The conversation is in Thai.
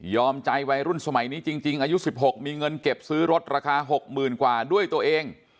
ใจวัยรุ่นสมัยนี้จริงอายุ๑๖มีเงินเก็บซื้อรถราคา๖๐๐๐กว่าด้วยตัวเอง